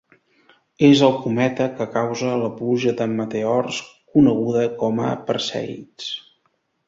És el cometa que causa la pluja de meteors coneguda com a Perseids.